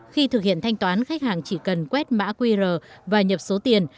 khi thực hiện thanh toán khách hàng chỉ cần quét mã qr và nhập số tiền